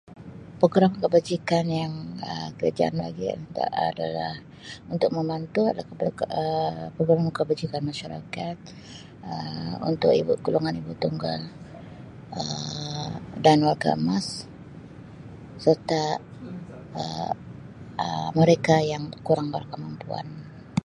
Program kebajikan yang kerajaan bagi Um adalah untuk membantu keper- Um program kebajikan masyarakat, Um untuk golongan ibu tunggal Um dan warga emas serta Um mereka yang kurang berkemampuan.